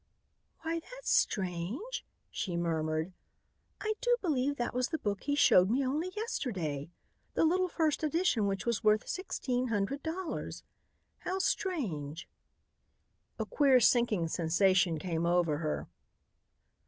"Why, that's strange!" she murmured. "I do believe that was the book he showed me only yesterday, the little first edition which was worth sixteen hundred dollars. How strange!" A queer sinking sensation came over her.